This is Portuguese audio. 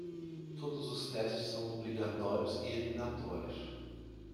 Todos os testes são obrigatórios e eliminatórios.